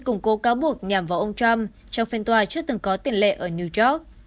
củng cố cáo buộc nhằm vào ông trump trong phên toài trước từng có tiền lệ ở new york